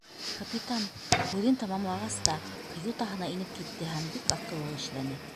Капитан, һүҙен тамамлағас та, каютаһына инеп китте һәм бик аҡыллы эшләне.